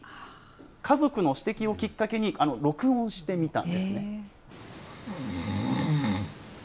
家族の指摘をきっかけに、録音してみたんですね。